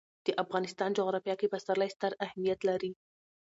د افغانستان جغرافیه کې پسرلی ستر اهمیت لري.